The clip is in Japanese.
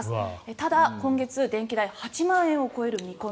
ただ、今月は電気代が８万円を超える見込み。